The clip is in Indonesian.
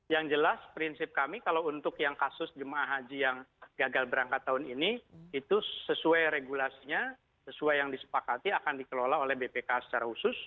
yang jelas prinsip kami kalau untuk yang kasus jemaah haji yang gagal berangkat tahun ini itu sesuai regulasinya sesuai yang disepakati akan dikelola oleh bpk secara khusus